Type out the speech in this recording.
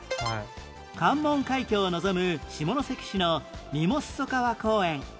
関門海峡を望む下関市のみもすそ川公園